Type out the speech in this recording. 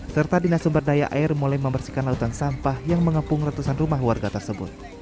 serta dinas sumberdaya air mulai membersihkan leutan sampah yang mengepung ratusan rumah warga tersebut